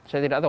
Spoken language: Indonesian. saya tidak tahu